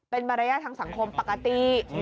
เป็นมารยาททางสังคมปกติ